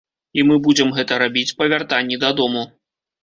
І мы будзем гэта рабіць па вяртанні дадому.